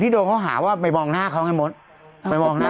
ไปตัวน้องที่ต่ออีกนะ